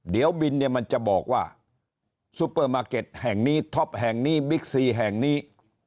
เดี๋ยวบินเนี่ยมันจะบอกว่าซุปเปอร์มาร์เก็ตแห่งนี้ท็อปแห่งนี้บิ๊กซีแห่งนี้